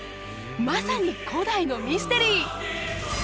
まさに古代のミステリー！